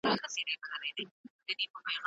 د يرموک جګړه کي مسلمانانو عدل وکړ.